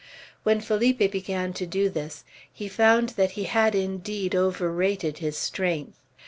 When Felipe began to do this, he found that he had indeed overrated his strength.